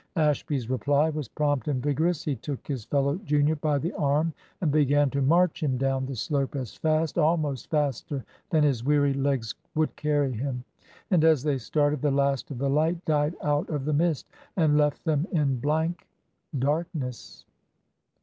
Ashby's reply was prompt and vigorous. He took his fellow junior by the arm and began to march him down the slope as fast, almost faster than his weary legs would carry him. And as they started, the last of the light died out of the mist, and left them in blank darkness.